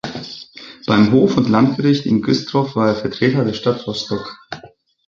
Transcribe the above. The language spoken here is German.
Beim Hof- und Landgericht in Güstrow war er Vertreter der Stadt Rostock.